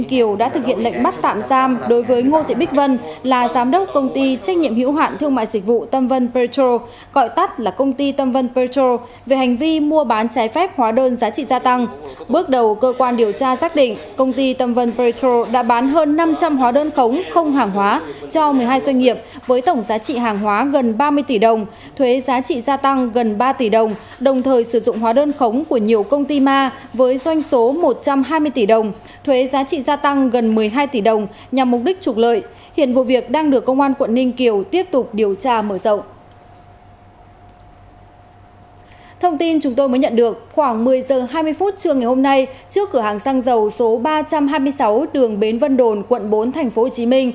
khoảng một mươi h hai mươi phút trưa ngày hôm nay trước cửa hàng xăng dầu số ba trăm hai mươi sáu đường bến vân đồn quận bốn tp hcm